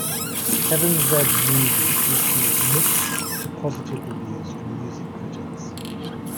Heaven'z Movie received mixed to positive reviews from music critics.